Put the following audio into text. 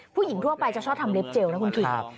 ผู้หญิงทั่วไปจะชอบทำเล็บเจลนะคุณกิรครับ